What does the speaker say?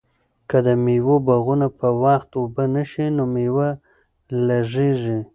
که د مېوو باغونه په وخت اوبه نشي نو مېوه لږیږي.